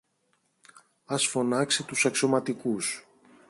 Ας φωνάξει τους αξιωματικούς